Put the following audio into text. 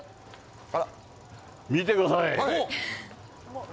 これ、見てください。